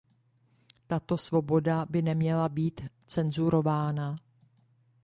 Tato svoboda by neměla být cenzurována.